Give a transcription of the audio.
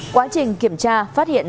quá trình kiểm tra phát hiện